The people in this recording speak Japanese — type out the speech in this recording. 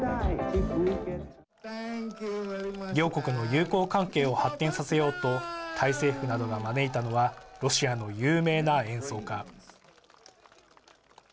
両国の友好関係を発展させようとタイ政府などが招いたのはロシアの有名な演奏家。